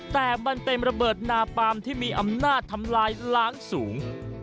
แต่มันเป็นระเบิดนาปามที่มีอำนาจทำลายล้างสูง